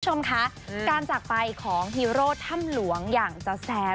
คุณผู้ชมคะการจากไปของฮีโร่ถ้ำหลวงอย่างจาแซม